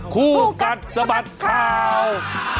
คู่กัดสะบัดข่าว